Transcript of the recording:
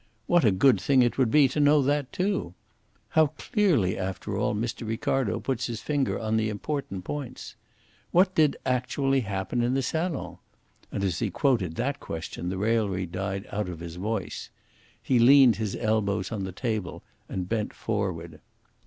What a good thing it would be to know that too! How clearly, after all, Mr. Ricardo puts his finger on the important points! What did actually happen in the salon?" And as he quoted that question the raillery died out of his voice. He leaned his elbows on the table and bent forward.